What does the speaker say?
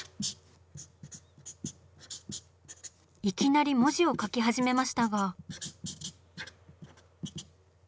いきなり文字を書き始めましたが。